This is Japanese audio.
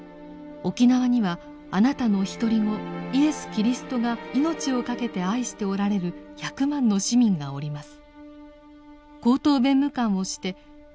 沖縄にはあなたのひとり子イエス・キリストが命をかけて愛しておられる百万の市民がおります」。